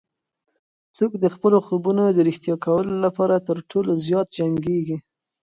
څوک د خپلو خوبونو د رښتیا کولو لپاره تر ټولو زیات جنګیږي؟